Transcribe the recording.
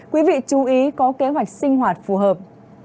quý vị chú ý có kế hoạch sinh hoạt phù hợp